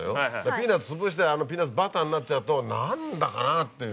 ビーナッツつぶしてピーナッツバターになっちゃうと何だかなっていう。